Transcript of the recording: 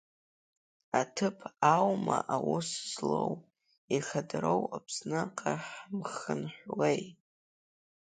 Аҭыԥ аума аус злоу, ихадароу Аԥсныҟа ҳамхынҳәуеи.